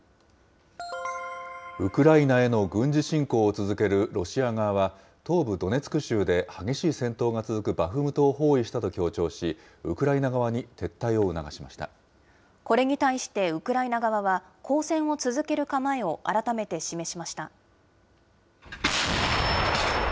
ウクライナへの軍事侵攻を続けるロシア側は、東部ドネツク州で激しい戦闘が続くバフムトを包囲したと強調し、これに対してウクライナ側は、抗戦を続ける構えを改めて示しました。